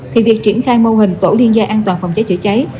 thì việc triển khai mô hình tổ liên gia an toàn phòng cháy chữa cháy